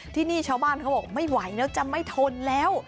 ที่นี่ชาวบ้านเขาบอกไม่ไหวแล้วจะไม่ทนแล้ว